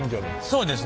そうですね。